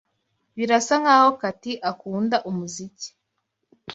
Birasa nkaho Cathy akunda umuziki.